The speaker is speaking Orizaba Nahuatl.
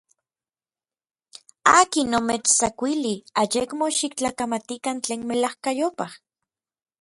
¿akin omechtsakuilij ayekmo xiktlakamatikan tlen melajkayopaj?